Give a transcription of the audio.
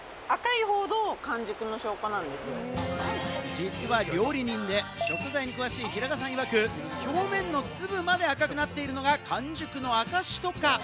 実は料理人で食材に詳しい平賀さんいわく、表面の粒まで赤くなっているのが完熟の証しとか。